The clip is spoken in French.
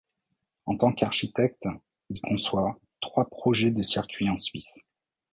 En tant qu'architecte, il conçoit trois projets de circuits en Suisse.